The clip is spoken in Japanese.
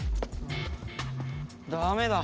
ダメだ。